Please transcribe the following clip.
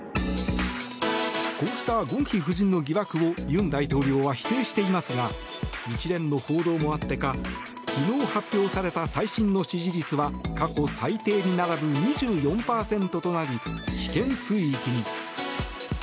こうしたゴンヒ夫人の疑惑を尹大統領は否定していますが一連の報道もあってか昨日発表された最新の支持率は過去最低に並ぶ２４％となり危険水域に。